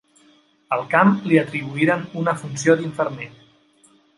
Al camp li atribuïren una funció d'infermer.